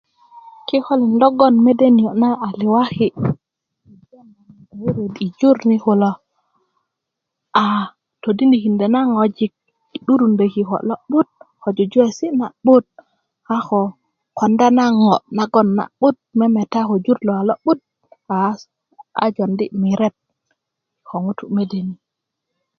kikolin logoŋ mede niyo' na a liwaki' yi ŋutu ti jur mi kulo aa todinikindö na ŋojik yi 'durundö ki yi kiko' lo'but ko jujuwesi' na'but a ko konda na ŋo nagoŋ na'but memeta ko jur lo lo'but a jondi miret ko ŋutu' mede ni